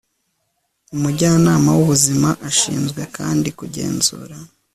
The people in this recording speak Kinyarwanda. umujyanama w'ubuzima ashinzwe kandi kugenzura